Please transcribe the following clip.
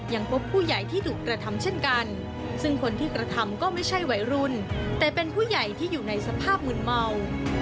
ยังพบผู้ใหญ่ที่ถูกกระทำเช่นกันซึ่งคนที่กระทำก็ไม่ใช่วัยรุ่นแต่เป็นผู้ใหญ่ที่อยู่ในสภาพมืนเมา